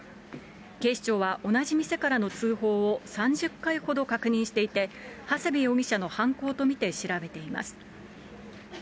警視庁は同じ店からの通報を３０回ほど確認していて、ハセベ容疑者の犯行と見て調べています。